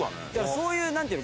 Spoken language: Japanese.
そういうなんていうの？